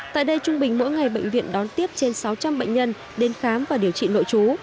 tại đây trung bình mỗi ngày bệnh viện đón tiếp trên sáu trăm linh bệnh nhân đến khám và điều trị nội chú